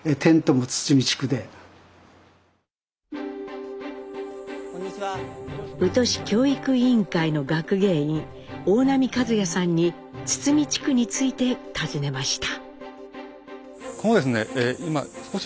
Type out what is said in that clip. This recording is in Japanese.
宇土市教育委員会の学芸員大浪和弥さんに堤地区について尋ねました。